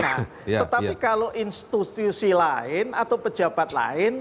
nah tetapi kalau institusi lain atau pejabat lain